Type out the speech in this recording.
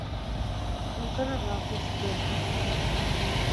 Ултырырға ҡушты.